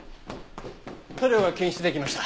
塗料が検出できました。